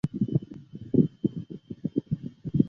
尤迦南达出生于印度戈勒克布尔一个孟加拉族家庭。